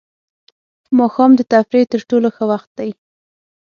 ماښام د تفریح تر ټولو ښه وخت دی.